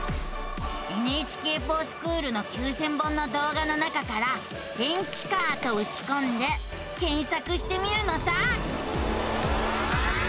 「ＮＨＫｆｏｒＳｃｈｏｏｌ」の９，０００本の動画の中から「電池カー」とうちこんで検索してみるのさ。